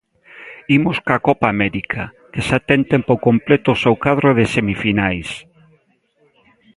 Imos coa Copa América, que xa ten completo o seu cadro de semifinais.